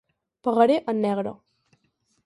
Pagaré en negre.